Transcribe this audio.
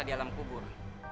di alam kubur